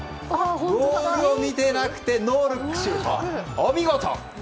ゴールを見てなくてノールックシュート。